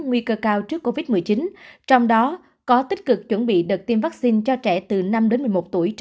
nguy cơ cao trước covid một mươi chín trong đó có tích cực chuẩn bị đợt tiêm vaccine cho trẻ từ năm đến một mươi một tuổi trở